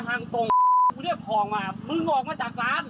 มึงออกมาจากร้าน